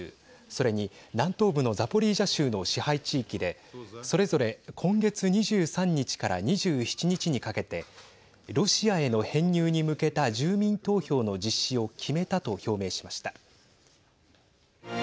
それに、南東部のザポリージャ州の支配地域でそれぞれ今月２３日から２７日にかけてロシアへの編入に向けた住民投票の実施を決めたと表明しました。